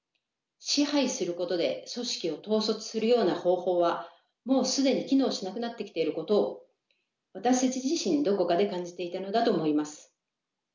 支配することで組織を統率するような方法はもう既に機能しなくなってきていることを私たち自身どこかで感じていたのだと思います。